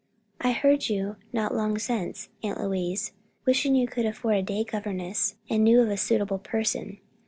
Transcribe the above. "I heard you, not long since, Aunt Louise, wishing you could afford a day governess and knew of a suitable person.